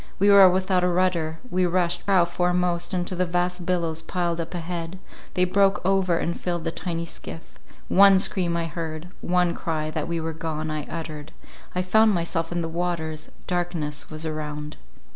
We were without a rudder—we rushed prow foremost into the vast billows piled up a head— they broke over and filled the tiny skiff; one scream I heard—one cry that we were gone, I uttered; I found myself in the waters; darkness was around.